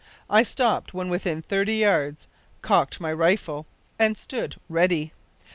I stopped when within thirty yards, cocked my rifle, and stood ready.